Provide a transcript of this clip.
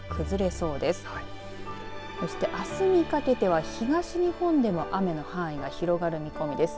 そして、あすにかけては東日本では雨の範囲が広がる見込みです。